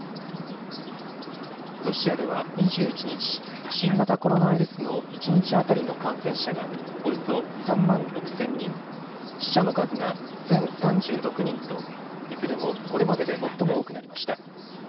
ロシアでは２１日、新型コロナウイルスの一日当たりの感染者がおよそ３万６０００人、死者の数が１０３６人といずれも、これまでで最も多くなりました。